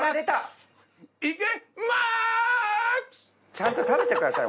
ちゃんと食べてください